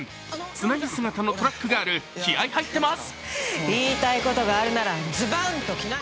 つなぎ姿のトラックガール、気合い入ってます。